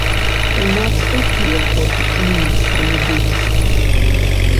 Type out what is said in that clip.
У нас усе хочуць міністрамі быць.